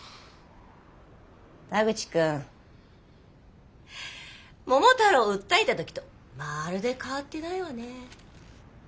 田口君桃太郎を訴えた時とまるで変わってないわね。